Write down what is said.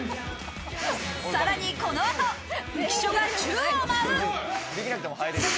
さらにこの後、浮所が宙を舞う。